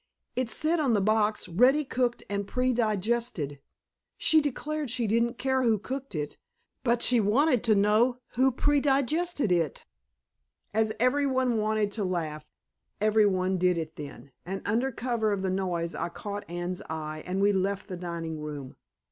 "It said on the box, 'ready cooked and predigested.' She declared she didn't care who cooked it, but she wanted to know who predigested it." As every one wanted to laugh, every one did it then, and under cover of the noise I caught Anne's eye, and we left the dining room.